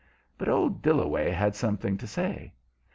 But old Dillaway had something to say.